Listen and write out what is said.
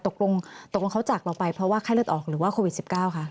ตกลงตกลงเขาจากเราไปเพราะว่าไข้เลือดออกหรือว่าโควิด๑๙คะ